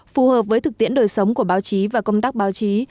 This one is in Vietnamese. phù hợp với thực tiễn đời sống của báo chí và công tác báo chí